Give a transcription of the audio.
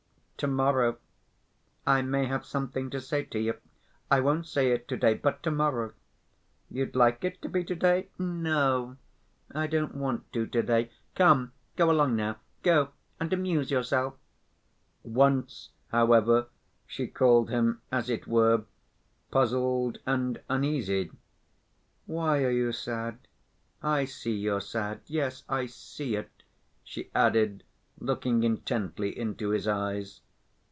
To‐morrow I may have something to say to you.... I won't say it to‐day, but to‐morrow. You'd like it to be to‐day? No, I don't want to to‐day. Come, go along now, go and amuse yourself." Once, however, she called him, as it were, puzzled and uneasy. "Why are you sad? I see you're sad.... Yes, I see it," she added, looking intently into his eyes.